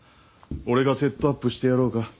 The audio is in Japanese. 俺がセットアップしてやろうか？